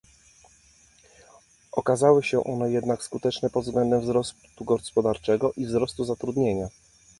Okazały się one jednak skuteczne pod względem wzrostu gospodarczego i wzrostu zatrudnienia